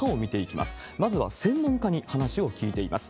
まずは専門家に話を聞いています。